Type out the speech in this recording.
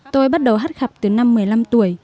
tôi bắt đầu hát khập từ năm một mươi năm tuổi